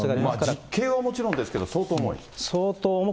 実刑はもちろんですけど、相当重い？